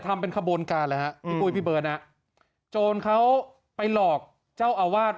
ทำเป็นขบวนการเลยฮะพี่ปุ้ยพี่เบิร์ตนะโจรเขาไปหลอกเจ้าอาวาส